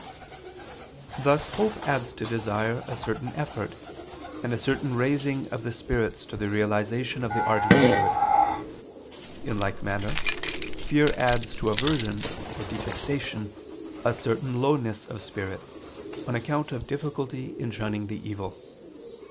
Thus hope adds to desire a certain effort, and a certain raising of the spirits to the realization of the arduous good. In like manner fear adds to aversion or detestation a certain lowness of spirits, on account of difficulty in shunning the evil.